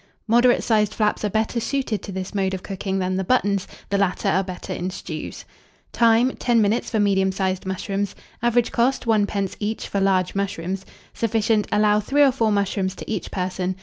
Moderate sized flaps are better suited to this mode of cooking than the buttons: the latter are better in stews. Time. 10 minutes for medium sized mushrooms. Average cost, 1d. each for large mushrooms. Sufficient. Allow 3 or 4 mushrooms to each person.